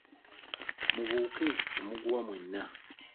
Mubuuke omuguwa mwenna.